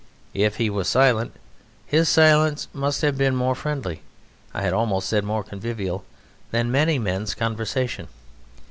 If he was silent, his silence must have been more friendly, I had almost said more convivial, than many men's conversation.